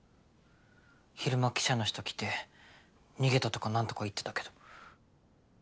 昼間記者の人来て逃げたとかなんとか言ってたけど。